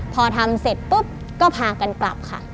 พอทำเสร็จปุ๊บก็พากันกลับค่ะ